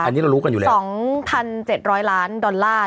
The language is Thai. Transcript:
อันนี้เรารู้กันอยู่แล้ว๒๗๐๐ล้านดอลลาร์